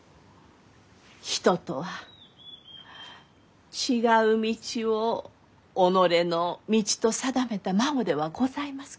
人とは違う道を己の道と定めた孫ではございます